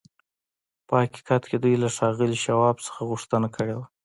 په حقیقت کې دوی له ښاغلي شواب څخه غوښتنه کړې وه